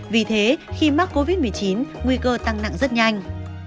vì thế khi mắc covid một mươi chín nguy cơ tăng nặng rất nhanh